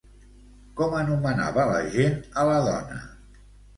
Com anomenava la gent a la dona?